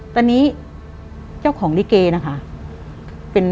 คุณตลอดอืม